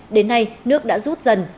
đến nay nước đã rút dần